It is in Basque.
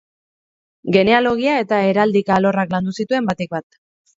Genealogia eta heraldika-alorrak landu zituen batik bat.